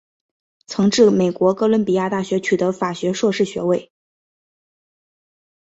曾至美国哥伦比亚大学取得法学硕士学位。